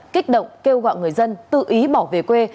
kích động kêu gọi người dân tự ý bỏ về quê